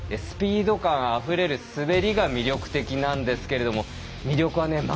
スピード感あふれる滑りが魅力的なんですけれども魅力はね